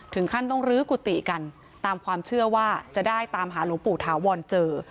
ถึงขั้นต้องลื้อกุฏิกันตามความเชื่อว่าจะได้ตามหาหลวงปู่ถาวรเจอ